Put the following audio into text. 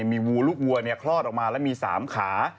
มีวัวลูกวัวคลอดออกมาแล้วมี๓ขา